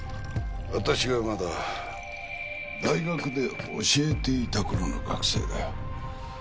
私がまだ大学で教えていた頃の学生だよ。